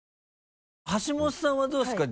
橋本さんはどうですか？